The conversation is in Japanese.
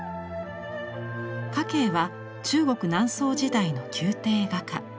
夏珪は中国・南宋時代の宮廷画家。